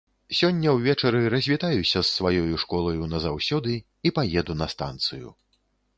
Сёння ўвечары развітаюся з сваёю школаю назаўсёды і паеду на станцыю.